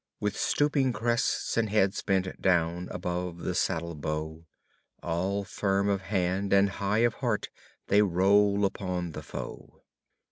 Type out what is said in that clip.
With stooping crests and heads bent down above the saddle bow. All firm of hand and high of heart they roll upon the foe.